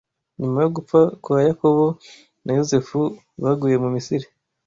Nyuma yo gupfa kwa Yakobo na Yozefu baguye mu Misiri